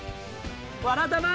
「わらたま」。